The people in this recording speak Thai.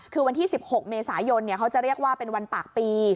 คือวันที่๑๖เมษายนเขาจะเรียกว่าเป็นวันปากปี